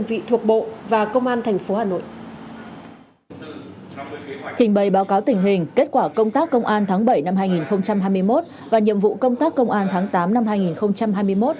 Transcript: trình bày báo cáo tình hình kết quả công tác công an tháng bảy năm hai nghìn hai mươi một và nhiệm vụ công tác công an tháng tám năm hai nghìn hai mươi một